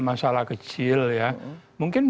masalah kecil ya mungkin